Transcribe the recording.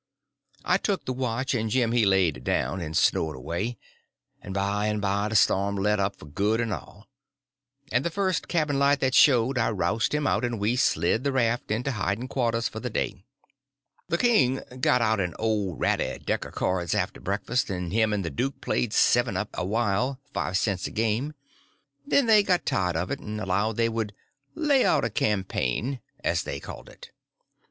I took the watch, and Jim he laid down and snored away; and by and by the storm let up for good and all; and the first cabin light that showed I rousted him out, and we slid the raft into hiding quarters for the day. The king got out an old ratty deck of cards after breakfast, and him and the duke played seven up a while, five cents a game. Then they got tired of it, and allowed they would "lay out a campaign," as they called it.